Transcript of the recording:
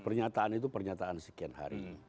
pernyataan itu pernyataan sekian hari